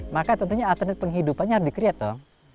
maka tentunya atlet penghidupannya harus di create dong